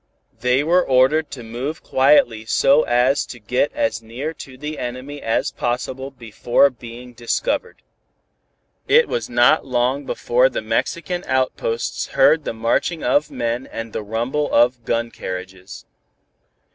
They were ordered to move quietly so as to get as near to the enemy as possible before being discovered. It was not long before the Mexican outposts heard the marching of men and the rumble of gun carriages.